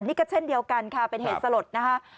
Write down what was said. นี่ก็เช่นเดียวกันค่ะเป็นเหตุสลดนะคะ